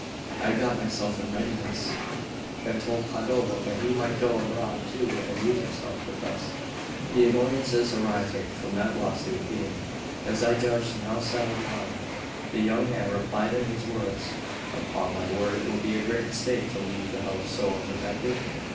I got myself in readiness, and told Pagolo that he might go abroad too and amuse himself with us; the annoyances arising from that lawsuit being, as I judged, now settled down. The young man replied in these words: "Upon my word, it would be a great mistake to leave the house so unprotected.